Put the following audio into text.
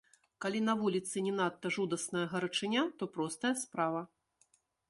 Калі на вуліцы не надта жудасная гарачыня, то простая справа.